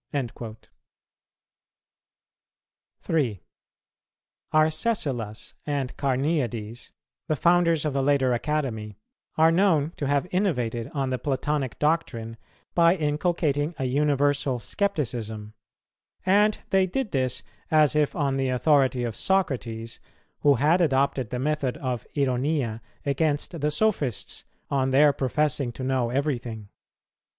3. Arcesilas and Carneades, the founders of the later Academy, are known to have innovated on the Platonic doctrine by inculcating a universal scepticism; and they did this, as if on the authority of Socrates, who had adopted the method of ironia against the Sophists, on their professing to know everything.